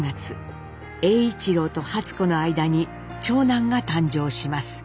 栄一郎と初子の間に長男が誕生します。